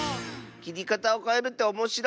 きりかたをかえるっておもしろい！